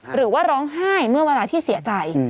หรือว่าร้องไห้เมื่อเวลาที่เสียใจ